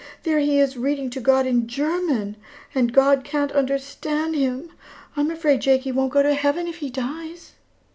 There he is, reading to God in German, and God can't understand him. I'm afraid Jakie won't go to heaven when he dies."